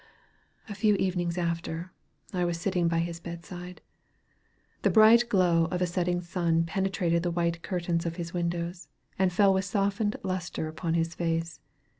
A few evenings after, I was sitting by his bed side. The bright glow of a setting sun penetrated the white curtains of his windows, and fell with softened lustre upon his face.